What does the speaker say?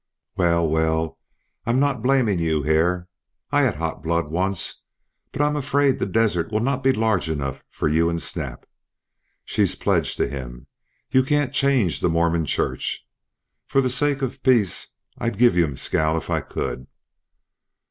"Well, well, I'm not blaming you, Hare. I had hot blood once. But I'm afraid the desert will not be large enough for you and Snap. She's pledged to him. You can't change the Mormon Church. For the sake of peace I'd give you Mescal, if I could.